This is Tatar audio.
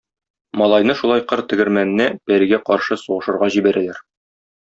Малайны шулай кыр тегермәненә пәригә каршы сугышырга җибәрәләр.